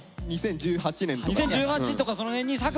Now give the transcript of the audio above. ２０１８年とか。